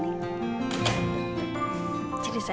lihat saya lepas aja